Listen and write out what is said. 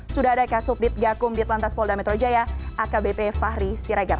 sudah ada kasus ditgakum di tantas polda metro jaya akbp fahri siregar